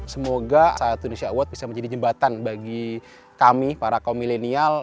semoga satu indonesia award bisa menjadi jembatan bagi kami para komilenial